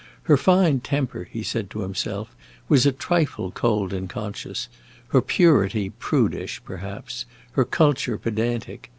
Her fine temper, he said to himself, was a trifle cold and conscious, her purity prudish, perhaps, her culture pedantic.